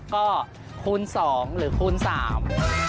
ก็คูณสองหรือคูณสาม